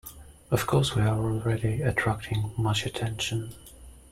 Of course we're already attracting much attention.